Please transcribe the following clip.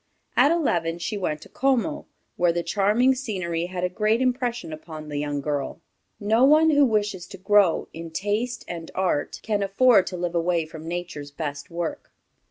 At eleven she went to Como, where the charming scenery had a great impression upon the young girl. No one who wishes to grow in taste and art can afford to live away from nature's best work.